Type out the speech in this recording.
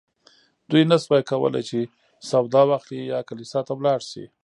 دوی نه شوای کولی چې سودا واخلي یا کلیسا ته لاړ شي.